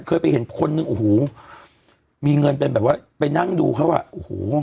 เคยไปเห็นคนนึงโอ้โหมีเงินเป็นแบบว่าไปนั่งดูเขาอ่ะโอ้โห